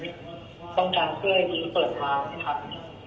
เออต้องการเครื่องให้ยิงเปิดพลาดครับ